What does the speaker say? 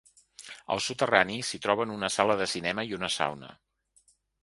Al soterrani s'hi troben una sala de cinema i una sauna.